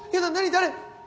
誰？